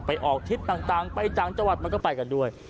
ออกทิศต่างไปต่างจังหวัดมันก็ไปกันด้วย